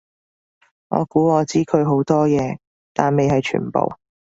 我估我知佢好多嘢，但未係全部